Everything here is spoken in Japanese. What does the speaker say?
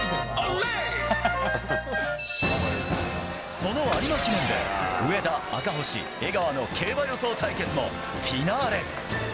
その有馬記念で上田、赤星、江川の競馬予想対決もフィナーレ。